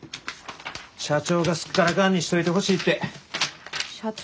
社長がすっからかんにしといてほしいって。社長？